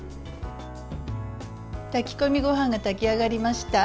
炊き込みごはんが炊き上がりました。